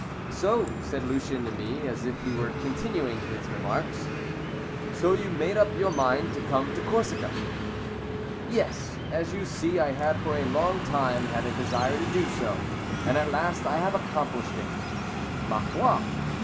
"So," said Lucien to me, as if he were continuing his remarks, "so you made up your mind to come to Corsica?" "Yes, as you see, I had for a long time had a desire to do so, and at last I have accomplished it." "_Ma foi!